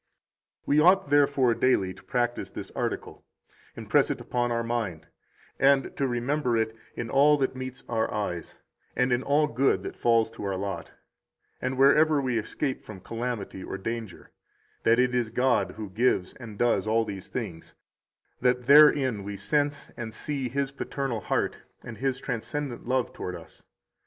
23 We ought, therefore, daily to practise this article, impress it upon our mind, and to remember it in all that meets our eyes, and in all good that falls to our lot, and wherever we escape from calamity or danger, that it is God who gives and does all these things, that therein we sense and see His Paternal heart and his transcendent love toward us.